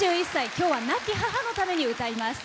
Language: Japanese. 今日は亡き母のために歌います。